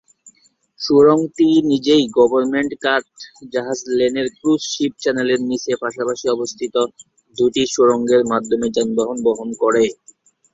সুড়ঙ্গটি নিজেই government cut জাহাজ লেনের ক্রুজ শিপ চ্যানেলের নীচে পাশাপাশি অবস্থিত দুটি সুড়ঙ্গের মাধ্যমে যানবাহন বহন করে।